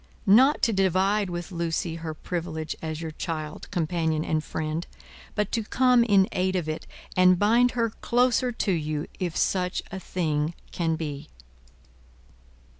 Not to divide with Lucie her privilege as your child, companion, and friend; but to come in aid of it, and bind her closer to you, if such a thing can be."